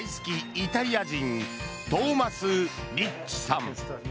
イタリア人トーマス・リッチさん。